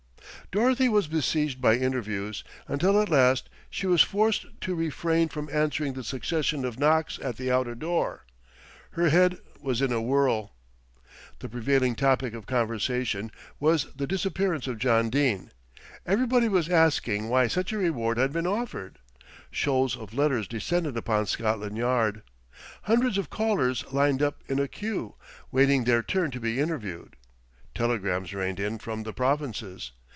Dorothy was besieged by interviewers, until at last she was forced to refrain from answering the succession of knocks at the outer door. Her head was in a whirl. The prevailing topic of conversation was the disappearance of John Dene. Everybody was asking why such a reward had been offered. Shoals of letters descended upon Scotland Yard. Hundreds of callers lined up in a queue, waiting their turn to be interviewed. Telegrams rained in from the provinces.